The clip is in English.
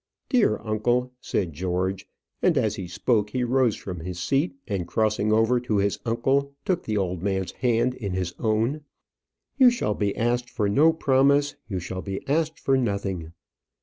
"Dear uncle," said George, and as he spoke he rose from his seat, and crossing over to his uncle, took the old man's hand in his own. "You shall be asked for no promise; you shall be asked for nothing.